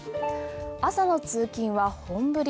朝の通勤は本降り。